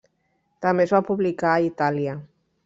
També es va publicar a Itàlia.